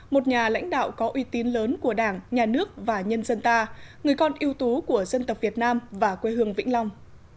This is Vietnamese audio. một nhà lãnh đạo có uy tín lớn của đảng nhà nước và nhân dân ta người con yêu tú của dân tộc việt nam và quê hương vĩnh long